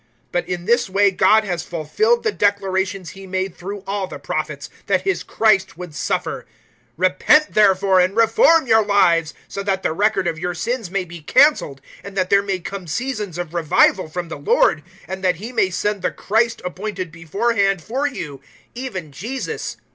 003:018 But in this way God has fulfilled the declarations He made through all the Prophets, that His Christ would suffer. 003:019 Repent, therefore, and reform your lives, so that the record of your sins may be cancelled, and that there may come seasons of revival from the Lord, 003:020 and that He may send the Christ appointed beforehand for you even Jesus.